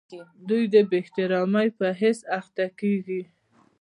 دوی د بې احترامۍ په حس اخته کیږي.